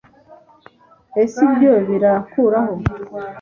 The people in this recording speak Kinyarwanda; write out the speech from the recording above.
ese ibyo birakubaho